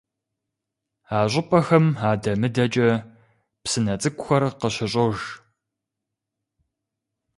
А щӏыпӏэхэм адэ-мыдэкӏэ псынэ цӏыкӏухэр къыщыщӏож.